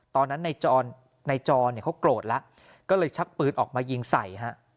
ตอนนั้นนายจรเขาโกรธแล้วก็เลยชักปืนออกมายิงใส่ฮะ